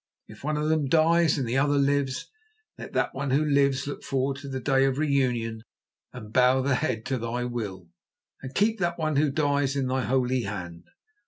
If one of them dies and the other lives, let that one who lives look forward to the day of reunion and bow the head to Thy Will, and keep that one who dies in Thy holy Hand.